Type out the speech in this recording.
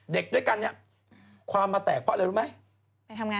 เด็กด้วยกันเนี่ยความมาแตกเพราะอะไรรู้ไหม